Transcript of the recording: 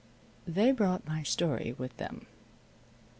They brought my story with them.